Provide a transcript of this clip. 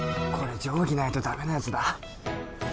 これ定規ないとダメなやつだ